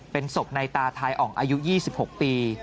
เป็นศพในตาทายอ่องอายุ๒๖ปี